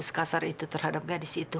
sekasar itu terhadap gadis itu